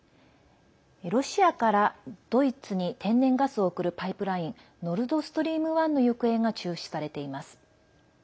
ロシアからドイツに天然ガスを送るパイプラインノルドストリーム１の行方が注視されています。